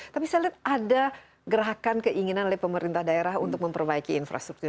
tapi saya lihat ada gerakan keinginan oleh pemerintah daerah untuk memperbaiki infrastruktur